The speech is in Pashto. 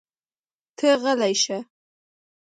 ته غلی شه!